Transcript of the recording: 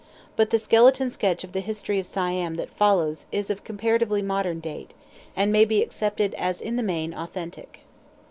But the skeleton sketch of the history of Siam that follows is of comparatively modern date, and may be accepted as in the main authentic.